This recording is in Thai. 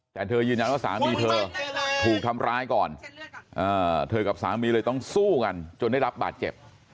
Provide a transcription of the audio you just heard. แต่เธอยืนยันว่าสามีเธอถูกทำร้ายก่อนเธอกับสามีเลยต้องสู้กันจนได้รับบาดเจ็บ